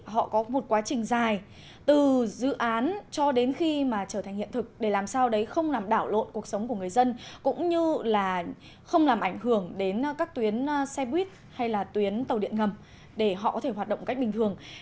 họ có một quá trình dài từ dự án cho đến khi mà trở thành hiện thực để làm sao đấy không làm đảo lộn cuộc sống của người dân cũng như là không làm ảnh hưởng đến các tuyến xe buýt hay là tuyến tàu điện ngầm để họ có thể hoạt động cách bình thường